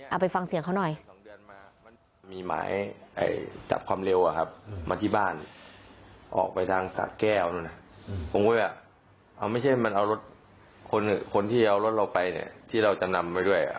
เอาไปฟังเสียงเขาหน่อย